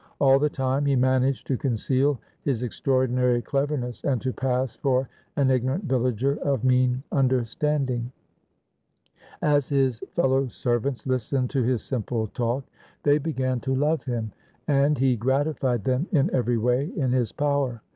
All the time he managed to conceal his extraordinary cleverness, and to pass for an igno rant villager of mean understanding. As his fellow servants listened to his simple talk, they began to love him and he gratified them in every way in his power.